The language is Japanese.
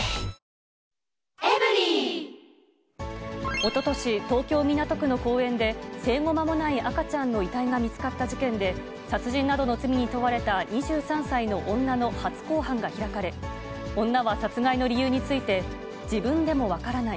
おととし、東京・港区の公園で、生後間もない赤ちゃんの遺体が見つかった事件で、殺人などの罪に問われた２３歳の女の初公判が開かれ、女は殺害の理由について、自分でも分からない、